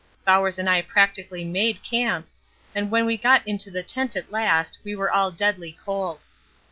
Bowers and I practically made camp, and when we got into the tent at last we were all deadly cold.